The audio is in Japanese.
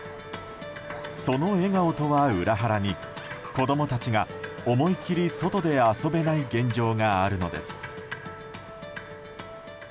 その笑顔とは裏腹に子供たちが思い切り外で遊べない現状があるのです。